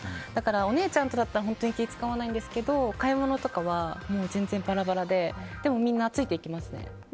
お姉ちゃんだったら気は使わないんですけど買い物とかは全然バラバラででも、みんなついていきますね。